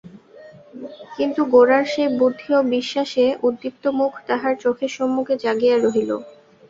কিন্তু গোরার সেই বুদ্ধি ও বিশ্বাসে উদ্দীপ্ত মুখ তাহার চোখের সম্মুখে জাগিয়া রহিল।